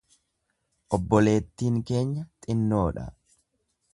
Obboleettiin keenya xinnoo dha.